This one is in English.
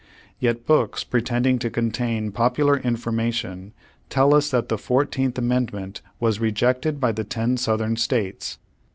Yet books pretending to contain popular informa tion tell us that the Fourteenth Amendment was "rejected by the ten Southern States.